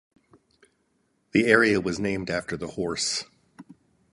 The area was named after the horse.